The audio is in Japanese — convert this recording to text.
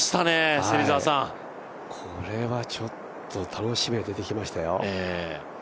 これはちょっと、楽しみが出てきましたよ。